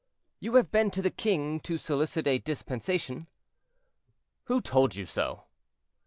"You have been to the king to solicit a dispensation?" "Who told you so?"